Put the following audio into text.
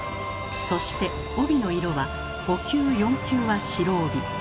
そして帯の色は五級四級は白帯。